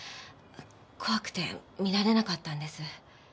怖くて見られなかったんです。